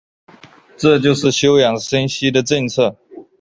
这就是休养生息的政策。